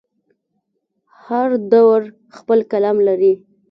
هر دور خپل قلم لري.